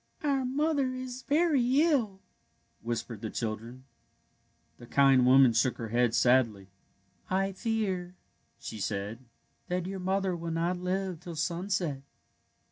*' Our mother is very ill,'' whispered the children. The kind woman shook her head sadly. " I fear," she said, " that your mother will not live till sunset."